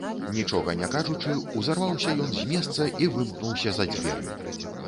Нічога не кажучы, узарваўся ён з месца і вымкнуўся за дзверы.